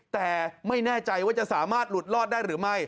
แต่ไม่แน่ใจว่าจะสามารถหลุดรอดได้หรือไม่